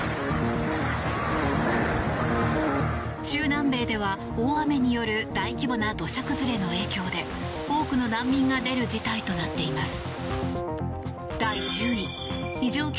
中南米では、大雨による大規模な土砂崩れの影響で多くの難民が出る事態となっています。